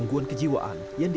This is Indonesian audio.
engkau dia menunggu